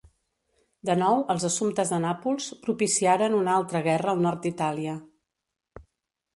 De nou els assumptes de Nàpols propiciaren una altra guerra al nord d'Itàlia.